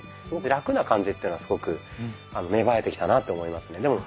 すごくラクな感じっていうのがすごく芽生えてきたなと思いますね。